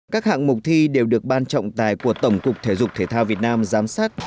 các hạng mục thi đều được ban trọng tài của tổng cục thể dục thể thao việt nam giám sát